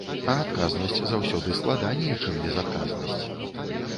А адказнасць заўсёды складаней, чым безадказнасць.